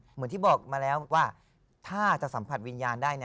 เหมือนที่บอกมาแล้วว่าถ้าจะสัมผัสวิญญาณได้